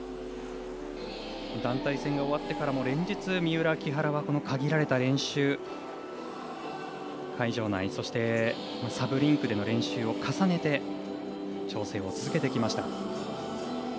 団体戦が終わってからも連日、三浦、木原は限られた練習会場内サブリンクでの練習を重ねて、調整を続けてきました。